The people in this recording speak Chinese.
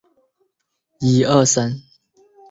四川粘体虫为粘体科粘体虫属的动物。